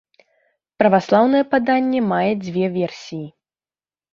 Праваслаўнае паданне мае дзве версіі.